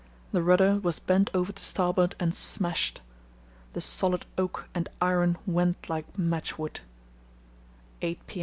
The rudder was bent over to starboard and smashed. The solid oak and iron went like matchwood. 8 p.